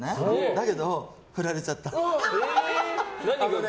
だけど振られちゃった。